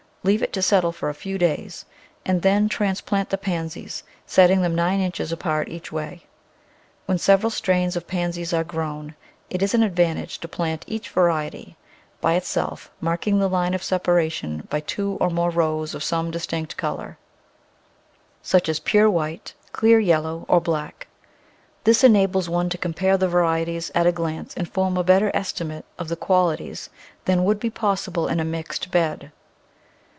Leave it to settle for a few days and then transplant the Pansies, setting them nine inches apart each way. Where several strains of Pansies are grown it is an advantage to plant each variety by Digitized by Google ii4 The Flower Garden [Chapter itself, marking the line of separation by two or more rows of some distinct colour; such as pure white, clear yellow, or black. This enables one to compare the varieties at a glance and form a better estimate of their qualities than would be possible in a mixed bed.